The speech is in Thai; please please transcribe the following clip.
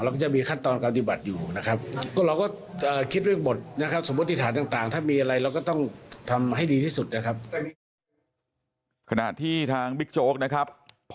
ก็จะมีขั้นตอนการปฏิบัติอยู่นะครับ